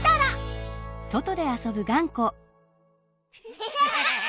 アハハハ！